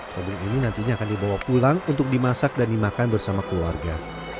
mobil ini nantinya akan dibawa pulang untuk dimasak dan dimakan bersama keluarga